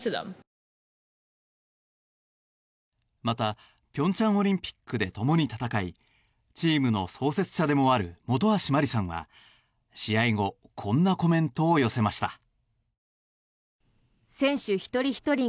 また、平昌オリンピックでともに戦いチームの創設者でもある本橋麻里さんは試合後こんなコメントを寄せました。